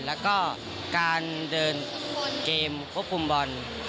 แล้วก็การเดินเกมควบคุมบอล